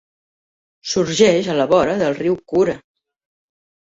Sorgeix a la vora del riu Kura.